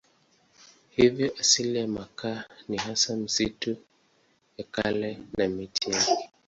Hivyo asili ya makaa ni hasa misitu ya kale na miti yake.